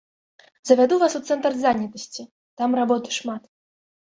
Завяду вас у цэнтр занятасці, там работы шмат.